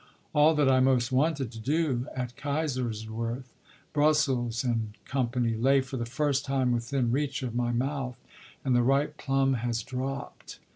All that I most wanted to do at Kaiserswerth, Brussels, and Co., lay for the first time within reach of my mouth, and the ripe plum has dropped."